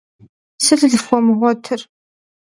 Сытыт фхуэмыгъуэтыр?